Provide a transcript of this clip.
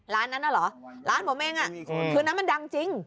ร้านนั้นน่ะเหรอร้านผมเองคืนนั้นมันดังจริง